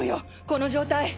この状態。